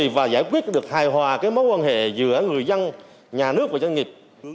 và giải quyết được hài hòa mối quan hệ giữa người dân nhà nước và doanh nghiệp